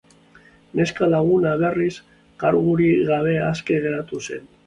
Neska-laguna, berriz, kargurik gabe aske geratu zen.